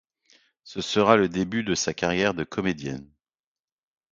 Ce sera le début de sa carrière de comédienne.